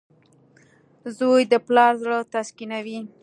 • زوی د پلار زړۀ تسکینوي.